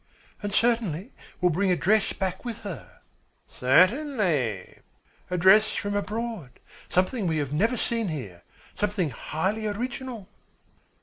"And certainly will bring a dress back with her." "Certainly!" "A dress from abroad, something we have never seen here something highly original."